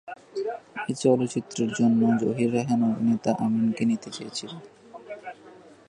এ চলচ্চিত্রের জন্য জহির রায়হান অভিনেতা আমিনকে নিতে চেয়েছিলেন।